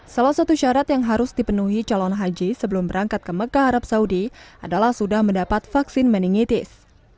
salah satu syarat yang harus dipenuhi calon haji sebelum berangkat ke mekah arab saudi adalah sudah mendapat vaksin meningitis